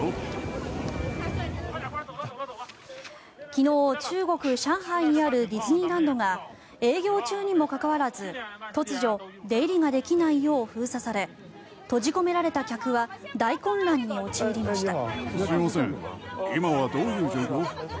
昨日、中国・上海にあるディズニーランドが営業中にもかかわらず突如出入りができないよう封鎖され閉じ込められた客は大混乱に陥りました。